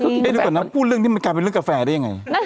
เดี๋ยวก่อนนะพูดเรื่องนี้มันกลายเป็นเรื่องกาแฟได้ยังไง